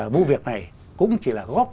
vụ việc này cũng chỉ là góp